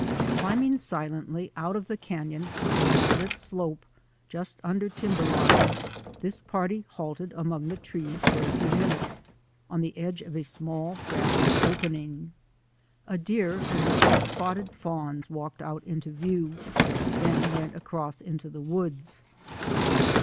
Climbing silently out of the canon up a moderate slope just under timberline, this party halted among the trees for a few minutes on the edge of a small, grassy opening. A deer and her two spotted fawns walked out into view, then went across into the woods.